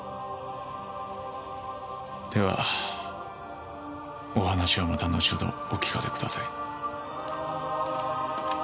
ではお話はまた後ほどお聞かせください。